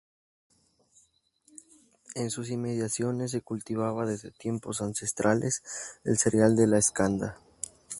En sus inmediaciones se cultivaba desde tiempos ancestrales el cereal de la escanda.